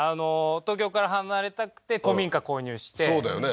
東京から離れたくて古民家購入してそうだよね